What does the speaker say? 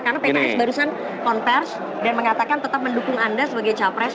karena pks barusan konfers dan mengatakan tetap mendukung anda sebagai capres